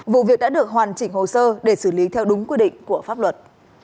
vụ việc đã được hoàn chỉnh hồ sơ để xử lý theo đúng quy định của pháp luật